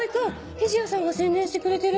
日地谷さんが宣伝してくれてる！